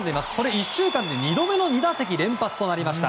１週間で２度目の２打席連続となりました。